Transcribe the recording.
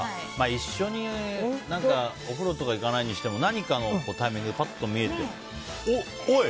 一緒にお風呂とか行かないにしても何かのタイミングでパッと見えてお、おい。